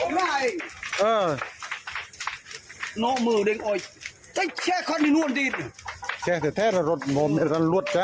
พอลดเตือนเก้อโมเสริฟ